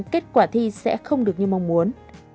kết quả thi sẽ không được như mong muốn